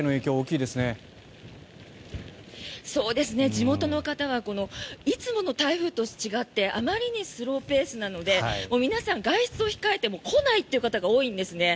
地元の方はいつもの台風と違ってあまりにスローペースなので皆さん外出を控えて来ないっていう方が多いんですね。